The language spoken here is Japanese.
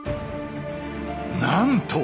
なんと！